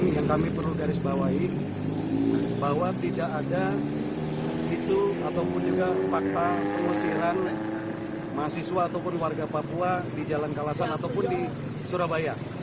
yang kami perlu garis bawahi bahwa tidak ada isu ataupun juga fakta pengusiran mahasiswa ataupun warga papua di jalan kalasan ataupun di surabaya